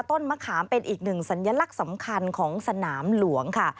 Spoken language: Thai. ต้นมะขามเป็นอีกหนึ่งสัญลักษณ์สำคัญของสนามหลวงค่ะ